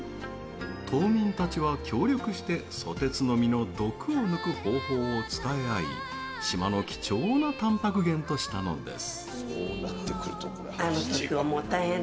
島民たちは協力してソテツの実の毒を抜く方法を伝え合い、島の貴重なたんぱく源としたのです。